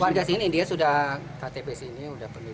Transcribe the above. warga sini dia sudah ktp sini sudah penuh